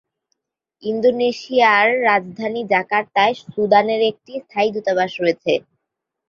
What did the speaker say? ইন্দোনেশিয়ার রাজধানী জাকার্তায় সুদানের একটি স্থায়ী দূতাবাস রয়েছে।